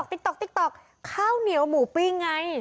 ติ๊กต๊อกข้าวเหนียวหมูปิ้งไง